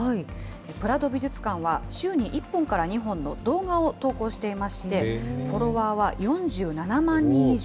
プラド美術館は週に１本から２本の動画を投稿していまして、フォロワーは４７万人以上。